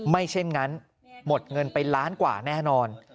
เช่นนั้นหมดเงินไปล้านกว่าแน่นอน